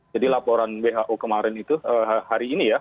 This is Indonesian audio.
jadi laporan who kemarin itu hari ini ya